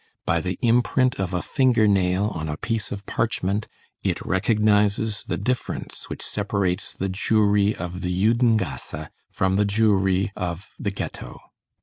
By the imprint of a finger nail on a piece of parchment, it recognizes the difference which separates the Jewry of the Judengasse from the Jewry of the Ghetto.